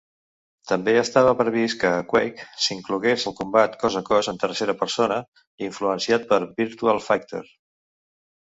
També estava previst que a "Quake" s'inclogués el combat cos a cos en tercera persona, influenciat per "Virtua Fighter".